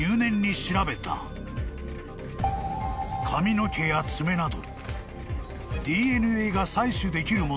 ［髪の毛や爪など］